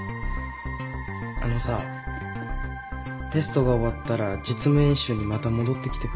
あのさテストが終わったら実務演習にまた戻ってきてくれ。